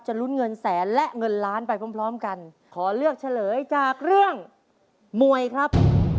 ลุ้นเงินแสนและเงินล้านไปพร้อมพร้อมกันขอเลือกเฉลยจากเรื่องมวยครับ